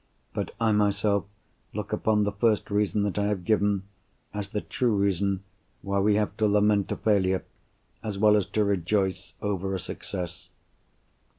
But I myself look upon the first reason that I have given, as the true reason why we have to lament a failure, as well as to rejoice over a success."